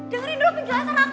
dengerin dulu penjelasan aku